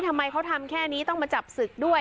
ทำไมเขาทำแค่นี้ต้องมาจับศึกด้วย